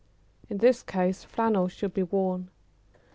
In this case flannels would be worn.